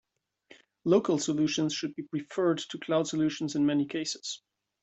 Local solutions should be preferred to cloud solutions in many cases.